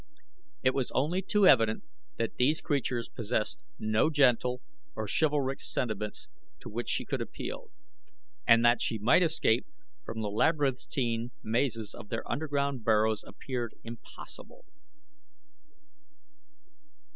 It was only too evident that these creatures possessed no gentle or chivalric sentiments to which she could appeal, and that she might escape from the labyrinthine mazes of their underground burrows appeared impossible.